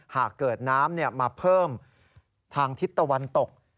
หากเกิดน้ำมาเพิ่มทางทิศตะวันตก